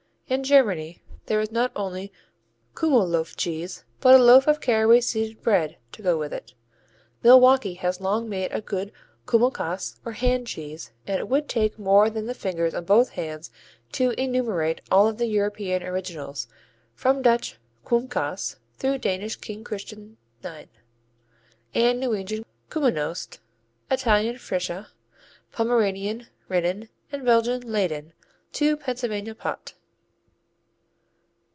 In Germany there is not only Kümmel loaf cheese but a loaf of caraway seeded bread to go with it. Milwaukee has long made a good Kümmelkäse or hand cheese and it would take more than the fingers on both hands to enumerate all of the European originals, from Dutch Komynkaas through Danish King Christian IX and Norwegian Kuminost, Italian Freisa, Pomeranian Rinnen and Belgian Leyden, to Pennsylvania Pot.